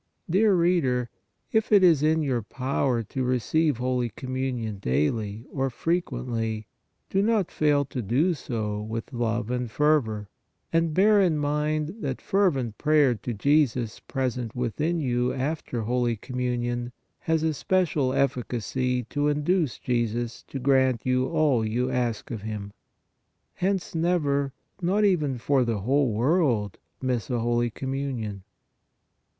Dear reader, if it is in your power to receive holy Communion daily or frequently, do not fail to do so with love and fervor, and bear in mind that fervent prayer to Jesus pres ent within you after holy Communion, has a special efficacy to induce Jesus to grant you all you ask of Him. Hence never, not even for the whole world, miss a holy Communion.